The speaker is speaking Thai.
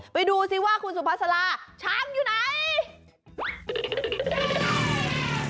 ไปดูซิว่าคุณสุภาษาลาช่างอยู่ไหน